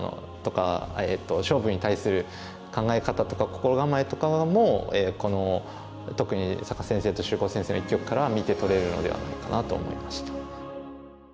勝負に対する考え方とか心構えとかも特に坂田先生と秀行先生の一局からは見て取れるのではないかなと思いました。